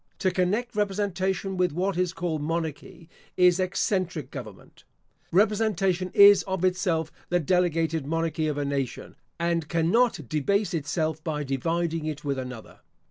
To connect representation with what is called monarchy, is eccentric government. Representation is of itself the delegated monarchy of a nation, and cannot debase itself by dividing it with another.